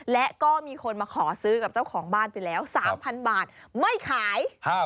และก็มีคนมาขอซื้อกับเจ้าของบ้านไปแล้ว๓๐๐บาทไม่ขาย